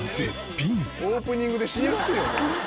「オープニングで死にますよ」